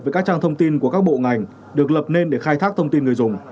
với các trang thông tin của các bộ ngành được lập nên để khai thác thông tin người dùng